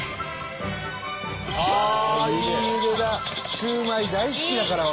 シューマイ大好きだから俺。